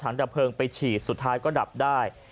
ดับเพลิงไปฉีดสุดท้ายก็ดับได้